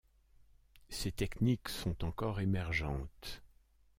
Ces techniques sont encore émergentes.